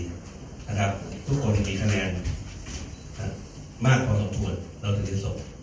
นะครับทุกคนมีคะแนนมากพอสมควรเราจะได้ส่ง